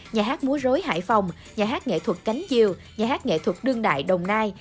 nhà hát múa rối hải phòng nhà hát nghệ thuật cánh diều nhà hát nghệ thuật đương đại đồng nai